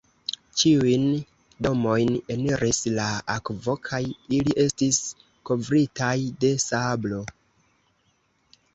Ĉiujn domojn eniris la akvo kaj ili estis kovritaj de sablo.